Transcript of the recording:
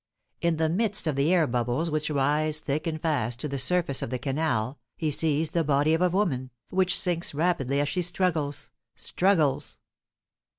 In the midst of the air bubbles which rise thick and fast to the surface of the canal he sees the body of a woman, which sinks rapidly as she struggles struggles.